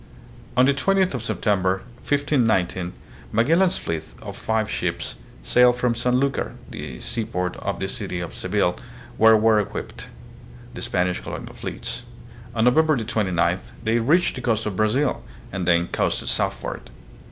On the 20th of September, 1519, Magellan's fleet of five ships sailed from Sanlucar, the seaport of the city of Seville, where were equipped the Spanish colonial fleets. On November 29th they reached the coast of Brazil and then coasted southward.